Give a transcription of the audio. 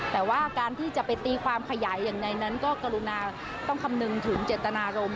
แต่ว่าการที่จะไปตีความขยายอย่างใดนั้นก็กรุณาต้องคำนึงถึงเจตนารมณ์